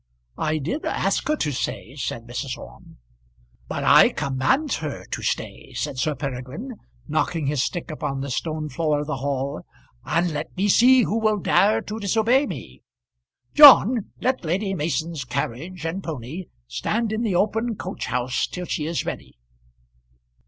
"I did ask her to stay," said Mrs. Orme. "But I command her to stay," said Sir Peregrine, knocking his stick upon the stone floor of the hall. "And let me see who will dare to disobey me. John, let Lady Mason's carriage and pony stand in the open coach house till she is ready."